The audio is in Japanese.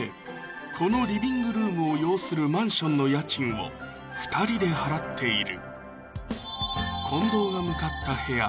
このリビングルームを擁するマンションの家賃を２人で払っている近藤が向かった部屋